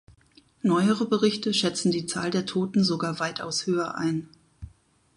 Neuere Berichte schätzen die Zahl der Toten sogar weitaus höher ein.